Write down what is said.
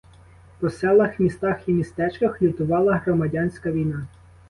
По селах, містах і містечках лютувала громадянська війна.